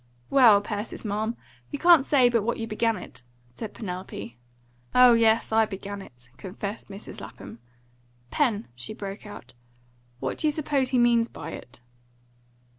"Well, Persis, ma'am, you can't say but what you began it," said Penelope. "Oh yes, I began it," confessed Mrs. Lapham. "Pen," she broke out, "what do you suppose he means by it?"